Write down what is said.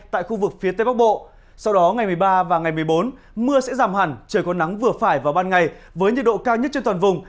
tại khu vực phía tây bắc bộ sau đó ngày một mươi ba và ngày một mươi bốn mưa sẽ giảm hẳn trời có nắng vừa phải vào ban ngày với nhiệt độ cao nhất trên toàn vùng